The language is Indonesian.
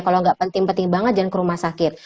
kalau nggak penting penting banget jangan ke rumah sakit